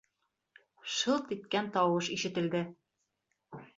«Шылт» иткән тауыш ишетелде!